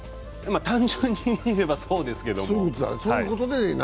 単純に言えばそうですけど。